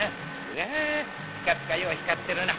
うわピカピカよう光ってるな。